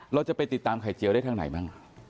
เราจะไปติดตามไข่เจียวได้ทางไหนบ้าง